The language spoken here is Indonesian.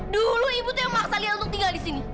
dulu ibu itu yang maksa lia untuk tinggal di sini